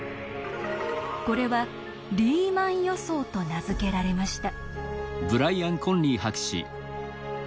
これは「リーマン予想」と名付けられました。